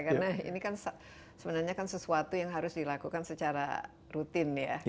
karena ini kan sebenarnya sesuatu yang harus dilakukan secara rutin ya